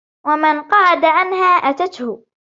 وَمَنْ قَعَدَ عَنْهَا أَتَتْهُ